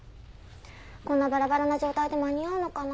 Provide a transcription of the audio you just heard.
こんなバラバラな状態で間に合うのかな？